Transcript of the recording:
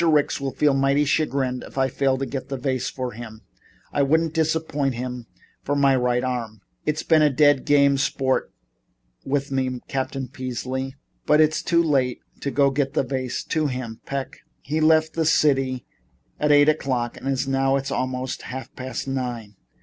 Ricks will feel mighty chagrined if I fail to get the vase to him. I wouldn't disappoint him for my right arm. He's been a dead game sport with me, Captain Peasley." "But it's too late to get the vase to him, Peck. He left the city at eight o'clock and it is now almost half past nine."